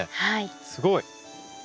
すごい！